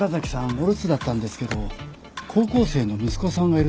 お留守だったんですけど高校生の息子さんがいるとか。